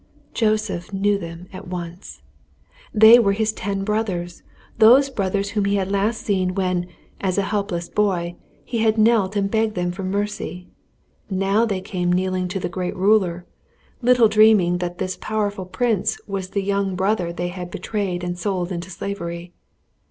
Joseph knew them at once. They were his ten brothers those brothers whom he had last seen when, as a helpless boy, he had knelt and begged them for mercy. Now they came kneeling to the great ruler, little dreaming that this powerful prince was the young brother they had betrayed and sold into slavery.